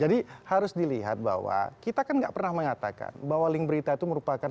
jadi harus dilihat bahwa kita kan enggak pernah mengatakan bahwa link berita itu merupakan